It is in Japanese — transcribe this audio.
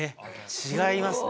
違いますね。